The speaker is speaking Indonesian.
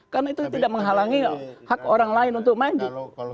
karena itu tidak menghalangi hak orang lain untuk maju